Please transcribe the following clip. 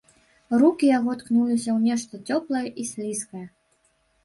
Рукі яго ткнуліся ў нешта цёплае і слізкае.